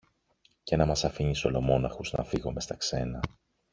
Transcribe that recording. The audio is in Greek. Και να μας αφήνεις ολομόναχους να φύγομε στα ξένα!